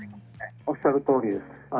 おっしゃるとおりです。